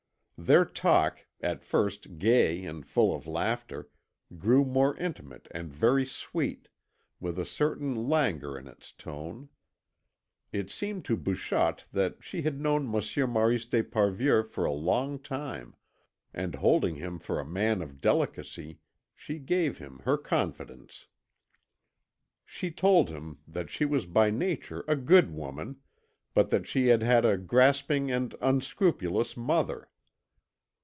Their talk, at first gay and full of laughter, grew more intimate and very sweet, with a certain languor in its tone. It seemed to Bouchotte that she had known Monsieur Maurice d'Esparvieu for a long time, and holding him for a man of delicacy, she gave him her confidence. She told him that she was by nature a good woman, but that she had had a grasping and unscrupulous mother.